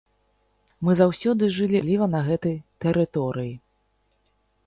Мы заўсёды жылі разам, асабліва на гэтай тэрыторыі.